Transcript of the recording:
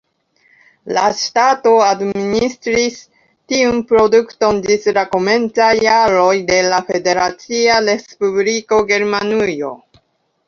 La ŝtato administris tiun produkton ĝis la komencaj jaroj de la Federacia Respubliko Germanujo.